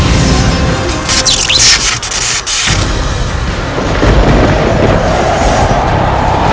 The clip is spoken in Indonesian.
ya allah semoga kakinya tidak ada apa apa